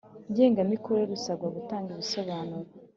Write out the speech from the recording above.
Ngengamikorere usabwa gutanga ibisobanuro